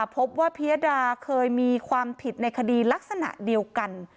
พบว่าพิยดาเคยมีความผิดในคดีลักษณะเดียวกัน